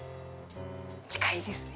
近いですね。